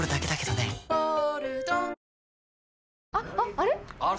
あれ？